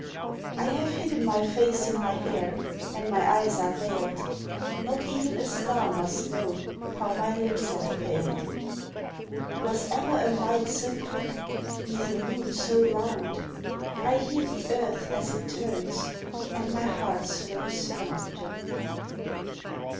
I have hidden my face in my hair And my eyes are veiled Not even a star must know How my lips have paled Was ever a night so quick 'Neath a moon so round? I hear the earth as it turns And my heart's low sound!